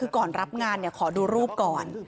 คือก่อนรับงานขอดูรูปก่อน